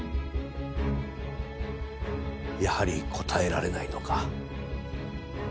やはり答えられないのか。